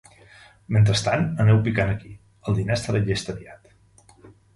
Mentrestant, aneu picant aquí: el dinar estarà llest aviat.